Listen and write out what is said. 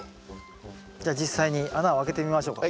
じゃあ実際に穴を開けてみましょうか。